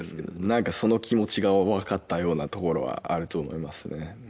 何かその気持ちが分かったようなところはあると思いますね